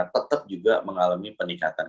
tetap juga mengalami peningkatan